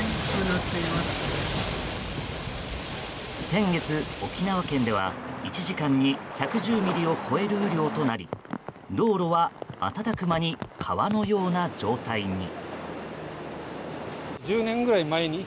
先月、沖縄県では１時間に１１０ミリを超える雨量となり道路は瞬く間に川のような状態に。